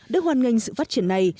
đức hoan nghênh sự phát triển này